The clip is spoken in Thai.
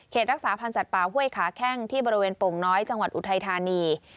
รักษาพันธ์สัตว์ป่าห้วยขาแข้งที่บริเวณโป่งน้อยจังหวัดอุทัยธานี